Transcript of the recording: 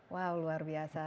wow luar biasa